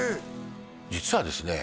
実はですね